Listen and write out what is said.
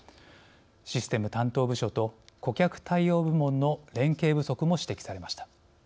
システム担当部署と顧客対応部門の連携不足も指摘されました。